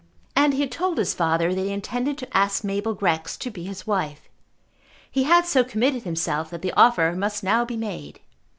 And he had told his father that he intended to ask Mabel Grex to be his wife. He had so committed himself that the offer must now be made.